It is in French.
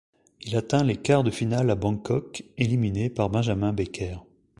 Il atteint les quarts de finale à Bangkok, éliminé par Benjamin Becker.